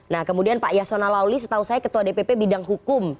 nah kemudian pak yasona lawli setahu saya ketua dpp bidang hukum